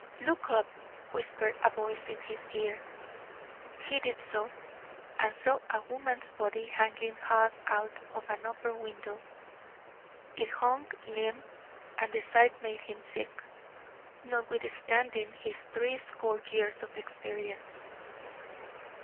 "Look up!" whispered a voice into his ear. He did so, and saw a woman's body hanging half out of an upper window. It hung limp, and the sight made him sick, notwithstanding his threescore years of experience.